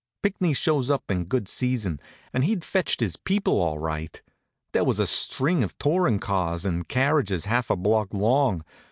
Pinckney shows up in good season, and he'd fetched his people, all right. There was a string of tourin' cars and carriages half a block long.